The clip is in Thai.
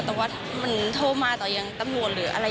แต่ว่ามันโทรมาต่อยังตำรวจหรืออะไร